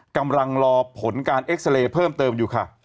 กำลังรอผลการเอ็กซาเรย์เพิ่มเติมอยู่ค่ะ